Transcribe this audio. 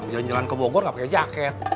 jalan jalan ke bogor nggak pakai jaket